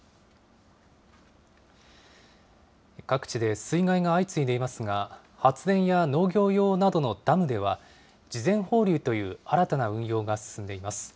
各地で水害が相次いでいますが、発電や農業用などのダムでは、事前放流という新たな運用が進んでいます。